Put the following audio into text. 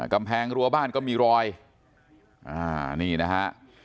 กำแพงรัวบ้านก็มีรอยอ่านี่นะฮะ